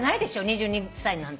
２２歳なんて。